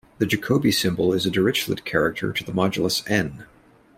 The Jacobi symbol is a Dirichlet character to the modulus "n".